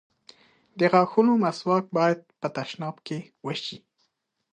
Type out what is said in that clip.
د غاښونو مسواک بايد په تشناب کې وشي.